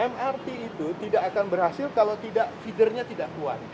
mrt itu tidak akan berhasil kalau tidak feedernya tidak kuat